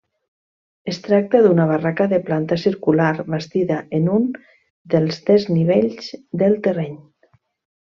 Es tracta d'una barraca de planta circular bastida en un dels desnivells del terreny.